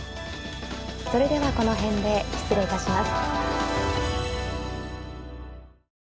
それではこの辺で失礼いたします。